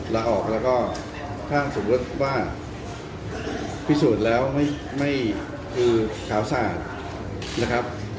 ลาออกแล้วก็ถ้าสมมุติว่าพิสูจน์แล้วไม่คือขาวสาดนะครับ